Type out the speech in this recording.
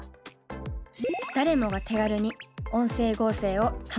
誰もが手軽に音声合成を楽しめる時代に。